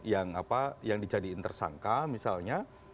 orang yang yang apa yang dijadiin tersangka misalnya